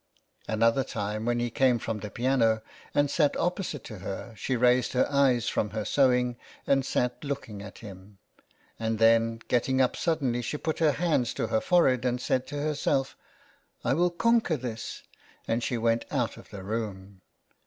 Another time when he came from the piano and sat opposite to her she raised her eyes from her sew ing and sat looking at him, and then getting up suddenly she put her hands to her forehead and said to herself: " I will conquer this," and she went out of the room.